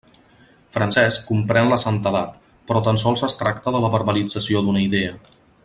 Francesc comprèn la santedat, però tan sols es tracta de la verbalització d'una idea.